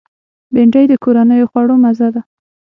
بېنډۍ د کورنیو خوړو مزه ده